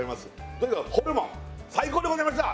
とにかくホルモン最高でございました